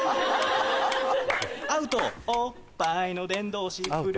アウトおっぱいの伝道師ぷる